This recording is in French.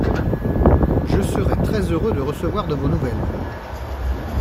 Je serai très-heureux de recevoir de vos nouvelles.